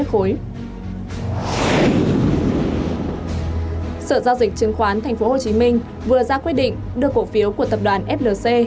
sở giao dịch chứng khoán tp hcm vừa ra quyết định đưa cổ phiếu của tập đoàn flc